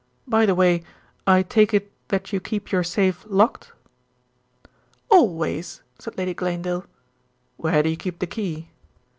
By the way, I take it that you keep your safe locked?" "Always," said Lady Glanedale. "Where do you keep the key?"